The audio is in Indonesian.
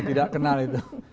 tidak kenal itu